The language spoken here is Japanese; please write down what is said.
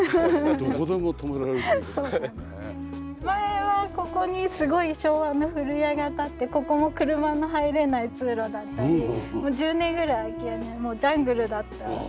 前はここにすごい昭和の古家が立ってここも車の入れない通路だったりもう１０年ぐらい空き家でジャングルだった。